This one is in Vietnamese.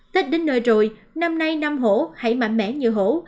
tết đến nơi rồi năm nay năm hổ hãy mạnh mẽ như hổ